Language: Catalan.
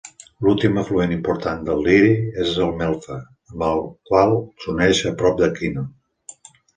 L'últim afluent important del Liri és el Melfa, amb el qual s'uneix a prop d'Aquino.